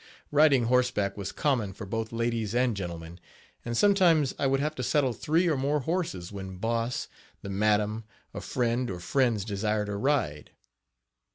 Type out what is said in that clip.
Riding horseback was common for both ladies and gentlemen, and sometimes I would have to saddle three or more horses when Boss, the madam, a friend or friends desired a ride.